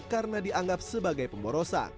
karena dianggap sebagai pemborosan